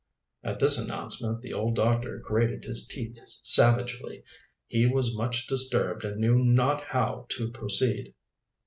At this announcement the old doctor grated his teeth savagely. He was much disturbed and knew not how to proceed.